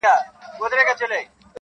څه همت څه ارادې څه حوصلې سه,